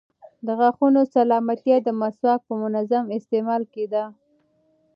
د غاښونو سلامتیا د مسواک په منظم استعمال کې ده.